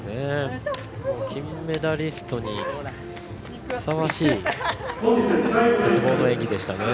金メダリストにふさわしい鉄棒の演技でしたね。